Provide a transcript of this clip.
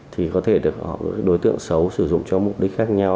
thì có thể được đối tượng xấu sử dụng cho mục đích khác nhau